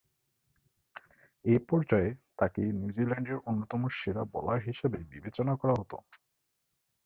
এ পর্যায়ে তাকে নিউজিল্যান্ডের অন্যতম সেরা বোলার হিসেবে বিবেচনা করা হতো।